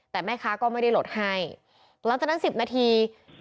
แต่แม่ค้าก็ไม่ได้หลดให้หลังจากนั้น๑๐นาที